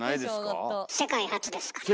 世界初ですからね。